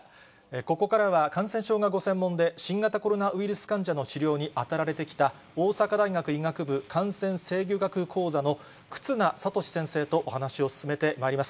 ここからは感染症がご専門で、新型コロナウイルス患者の治療に当たられてきた、大阪大学医学部感染制御学講座の忽那賢志先生とお話を進めてまいります。